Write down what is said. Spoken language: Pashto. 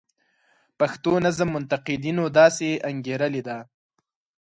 پښتو نظم منتقدینو داسې انګیرلې ده.